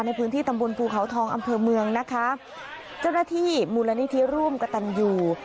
ในพื้นที่ตำบลภูเขาทองอำเภอเมืองนะคะเจ้าหน้าที่มูลนิธิร่วมกระตันอยู่